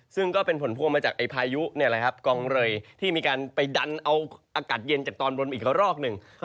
ซึ่งก็เป็นผลพวงมาจากพายุกองเรยที่มีการไปดันเอาอากาศเย็นจากตอนบนมาอีกระรอกหนึ่ง